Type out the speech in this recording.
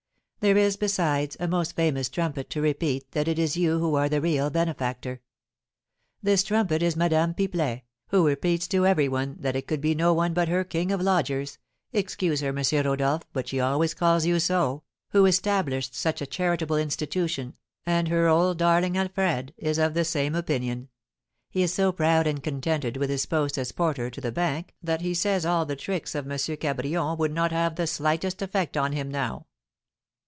There is, besides, a most famous trumpet to repeat that it is you who are the real benefactor. This trumpet is Madame Pipelet, who repeats to every one that it could be no one but her king of lodgers (excuse her, M. Rodolph, but she always calls you so) who established such a charitable institution, and her old darling Alfred is of the same opinion; he is so proud and contented with his post as porter to the bank that he says all the tricks of M. Cabrion would not have the slightest effect on him now.